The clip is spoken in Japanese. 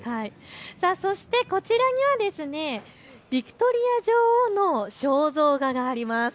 そしてこちらにはヴィクトリア女王の肖像画があります。